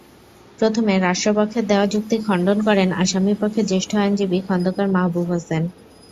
প্রথমে রাষ্ট্রপক্ষের দেওয়া যুক্তি খণ্ডন করেন আসামিপক্ষের জ্যেষ্ঠ আইনজীবী খন্দকার মাহবুব হোসেন।